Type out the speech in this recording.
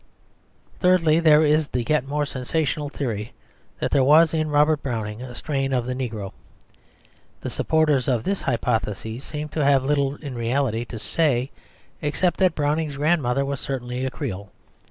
Thirdly, there is the yet more sensational theory that there was in Robert Browning a strain of the negro. The supporters of this hypothesis seem to have little in reality to say, except that Browning's grandmother was certainly a Creole.